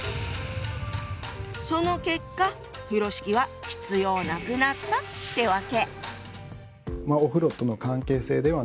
その結果風呂敷は必要なくなったってわけ。